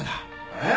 えっ！？